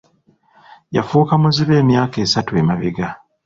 Yafuuka muzibe emyaka esatu emabega.